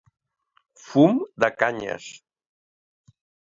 Fum de canyes.